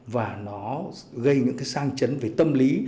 và nó gây những cái sang chấn về tâm lý